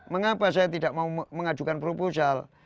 mengapa saya tidak mau mengajukan proposal